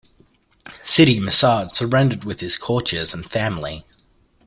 Siddi Musud surrendered with his courtiers and family.